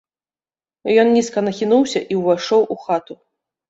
Ён нізка нахінуўся і ўвайшоў у хату.